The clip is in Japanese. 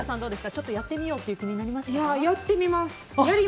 ちょっとやってみようという気になりましたか？